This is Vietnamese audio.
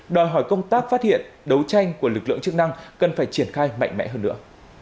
đòi hỏi công tác phát hiện đấu tranh của lực lượng chức năng cần phải triển khai mạnh mẽ hơn nữa